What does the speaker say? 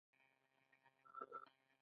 د وفادارۍ ږغونه اوږدمهاله وي.